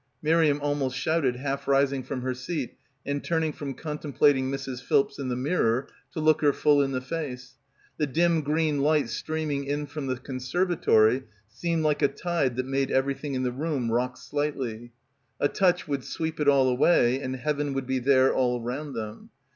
Mir iam almost shouted, half rising from her seat and turning from contemplating Mrs. Philps in the mirror to look her full in the face. The dim green light streaming in from the conservatory seemed like a tide that made everything in the room rock slightly. A touch would sweep it all away and heaven would be there all round them.